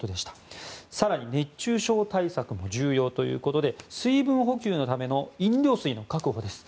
更に熱中症対策も重要ということで水分補給のための飲料水の確保です。